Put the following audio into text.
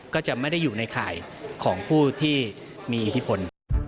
ก็จะไม่ได้อยู่ในข่ายของผู้ที่มีอิทธิพล